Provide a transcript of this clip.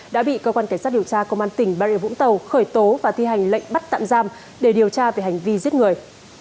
đã bị cơ quan cảnh sát điều tra công an tỉnh bà rịa vũng tàu khởi tố và thi hành lệnh bắt tạm giam để điều tra về hành vi giết người